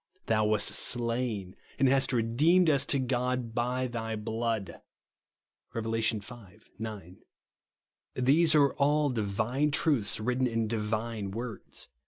Thou wast slain, and hast redeemed us to God by thy blood," (Rev. V. 9). These are all divine truths written in divine words.